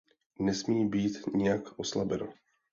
Nesmí být nijak oslabeno.